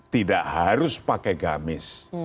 tidak harus pakai gamis